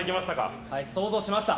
想像しました。